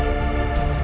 ya enggak apa apa